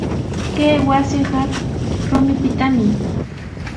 Kay wasiqa rumipitami.